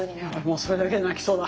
もうそれだけで泣きそうだ。